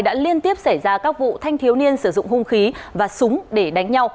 đã liên tiếp xảy ra các vụ thanh thiếu niên sử dụng hung khí và súng để đánh nhau